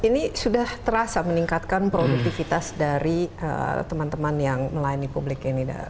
ini sudah terasa meningkatkan produktivitas dari teman teman yang melayani publik ini